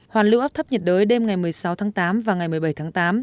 hoàn lưu áp thấp nhiệt đới đêm ngày một mươi sáu tháng tám và ngày một mươi bảy tháng tám